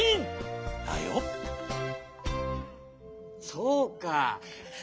そうか。